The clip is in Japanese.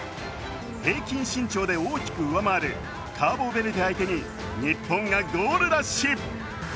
平均身長で大きく上回るカーボベルデを相手に日本がゴールラッシュ。